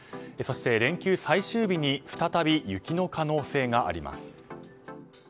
そして連休最終日に再び雪の可能性があります。